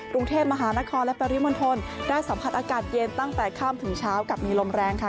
กรุงเทพมหานครและปริมณฑลได้สัมผัสอากาศเย็นตั้งแต่ค่ำถึงเช้ากับมีลมแรงค่ะ